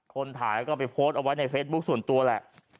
คนถ่ายก็ไปโพสต์เอาไว้ในเฟซบุ๊คส่วนตัวแหละ